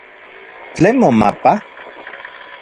¿Tlen momapa?